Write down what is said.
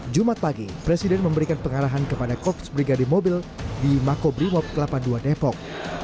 jumat pagi presiden memberikan pengarahan kepada korps brigade mobil di makobrimob delapan puluh dua depok